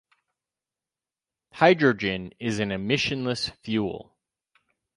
Hydrogen is an emissionless fuel.